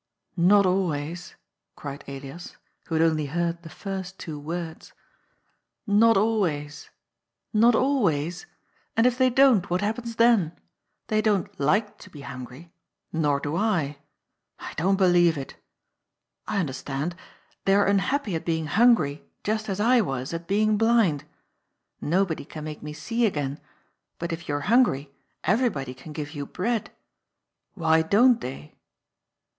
" Not always 1 " cried Elias, who had only heard the first two words. "Not always! Not always! And if they don't, what happens then ? They don't like to be hungry. Nor do I. I don't believe it. I understand. They are unhappy at being hungry just as I was at being blind. Nobody can make me see again, but if you're hungry, every body can give you bread. Why don't they